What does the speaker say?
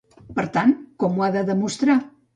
Per tant, com ho ha de demostrar?